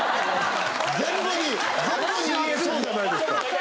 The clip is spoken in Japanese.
全部に全部に言えそうじゃないですか。